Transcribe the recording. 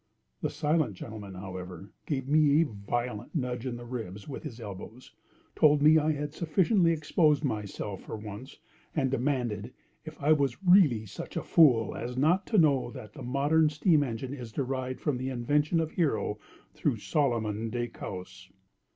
The silent gentleman, however, gave me a violent nudge in the ribs with his elbows—told me I had sufficiently exposed myself for once—and demanded if I was really such a fool as not to know that the modern steam engine is derived from the invention of Hero, through Solomon de Caus.